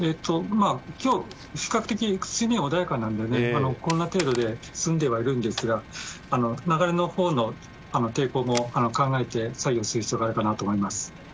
今日、比較的水面は穏やかなのでこんな程度で済んでいるんですが流れのほうの抵抗も考えて作業する必要があるかなと思います。